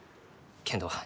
けんど。